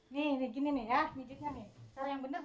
badan aku mah pegal pegal kau nyontokin tuh yang bener dong